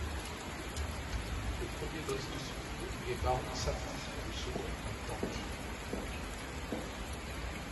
Le premier boss de ce niveau est Baron Samedi, le second un tank.